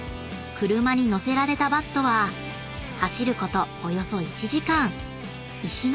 ［車に載せられたバットは走ることおよそ１時間］